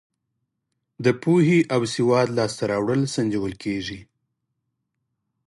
د پوهې او سواد لاس ته راوړل سنجول کیږي.